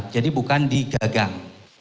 jadi bukan di gagang